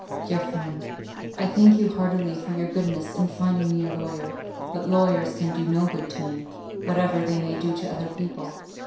DEAR FRIEND, I thank you heartily for your goodness in finding me a lawyer, but lawyers can do no good to me, whatever they may do to other people.